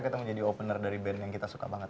kita menjadi opener dari band yang kita suka banget